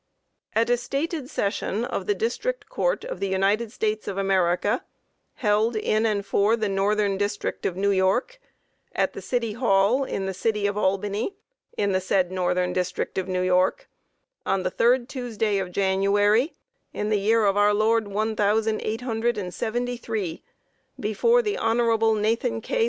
At a stated session of the District Court of the United States of America, held in and for the Northern District of New York, at the City Hall, in the city of Albany, in the said Northern District of New York, on the third Tuesday of January, in the year of our Lord one thousand eight hundred and seventy three, before the Honorable Nathan K.